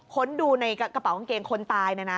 ค้นดูในกระเป๋าข้างเกงคนตายนะ